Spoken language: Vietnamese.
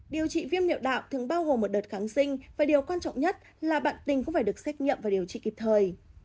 điều trị viêm nhựa thường bao gồm một đợt kháng sinh và điều quan trọng nhất là bạn tình cũng phải được xét nghiệm và điều trị kịp thời